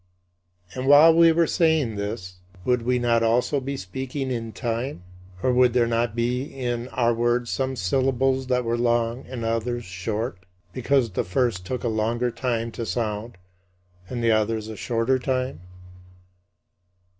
And while we were saying this, would we not also be speaking in time? Or would there not be in our words some syllables that were long and others short, because the first took a longer time to sound, and the others a shorter time?